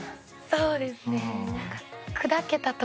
そうですね。